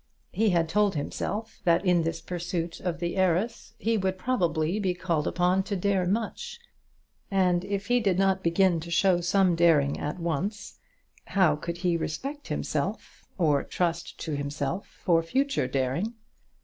He had told himself that in this pursuit of the heiress he would probably be called upon to dare much, and if he did not begin to show some daring at once, how could he respect himself, or trust to himself for future daring?